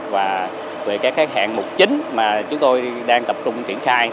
và về các hạng mục chính mà chúng tôi đang tập trung triển khai